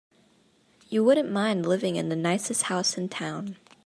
You wouldn't mind living in the nicest house in town.